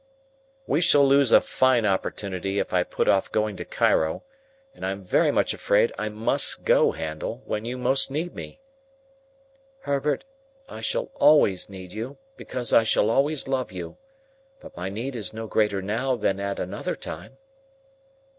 "We shall lose a fine opportunity if I put off going to Cairo, and I am very much afraid I must go, Handel, when you most need me." "Herbert, I shall always need you, because I shall always love you; but my need is no greater now than at another time."